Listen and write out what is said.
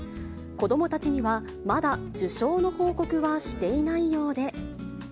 子どもたちにはまだ受賞の報告はしていないようで。